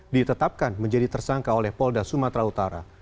ditetapkan menjadi tersangka oleh polda sumatera utara